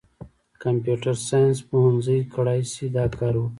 کمپیوټر ساینس پوهنځۍ کړای شي دا وکړي.